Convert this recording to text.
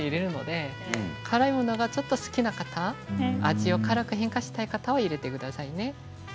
辛いものが好きな方味を辛く変化したい人は入れてくださいね。